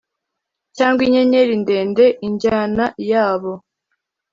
cyangwa inyenyeri ndende injyana yabo,